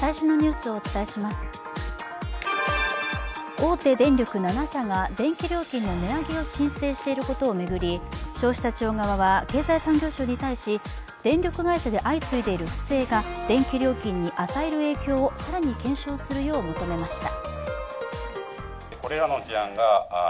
大手電力７社が電気料金の値上げを申請していることを巡り、消費者庁側は経済産業省に対し、電力会社で相次いでいる不正が電気料金に与える影響を更に検証するよう求めました。